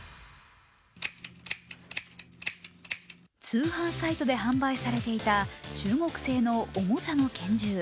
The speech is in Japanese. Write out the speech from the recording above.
通販サイトで販売されていた中国製のおもちゃの拳銃。